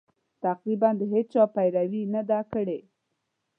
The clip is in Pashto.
تقریباً د هېچا پیروي یې نه ده کړې.